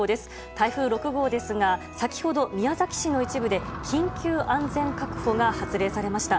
台風６号ですが先ほど、宮崎市の一部で緊急安全確保が発令されました。